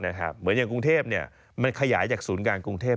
เหมือนอย่างกรุงเทพมันขยายจากศูนย์การกรุงเทพ